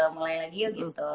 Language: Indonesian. mulai lagi yuk gitu